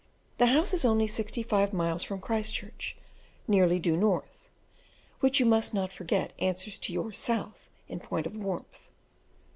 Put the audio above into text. The house is only sixty five miles from Christchurch, nearly due north (which you must not forget answers to your south in point of warmth).